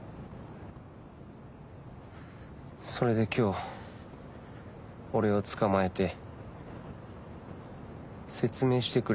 それで今日俺をつかまえて説明してくれって。